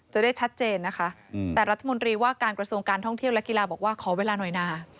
จะได้ชัดเจนนะคะแต่รัฐมนตรีว่าการกระทรวงการท่องเที่ยวและกีฬาบอกว่าขอเวลาหน่อยนะ